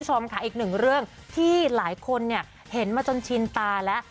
คุณผู้ชมค่ะอีกหนึ่งเรื่องที่หลายคนเห็นมาจนชินตาแล้ว